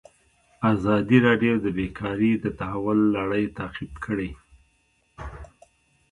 ازادي راډیو د بیکاري د تحول لړۍ تعقیب کړې.